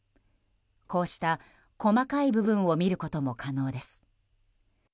こうした細かい部分を見ることも可能です。